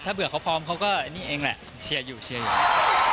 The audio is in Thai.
ถ้าเผื่อเขาพร้อมเขาก็นี่เองแหละเชียร์อยู่เชียร์อยู่